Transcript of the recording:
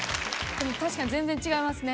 確かに全然違いますね。